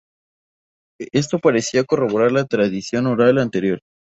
Esto parecía corroborar la tradición oral anterior.